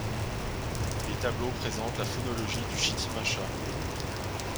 Les tableaux présentent la phonologie du chitimacha.